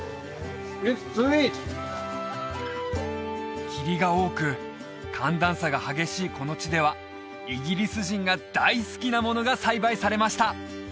イッツスイート霧が多く寒暖差が激しいこの地ではイギリス人が大好きなものが栽培されました